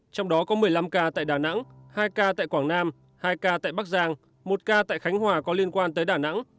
trong đó có một mươi năm ca tại đà nẵng hai ca tại quảng nam hai ca tại bắc giang một ca tại khánh hòa có liên quan tới đà nẵng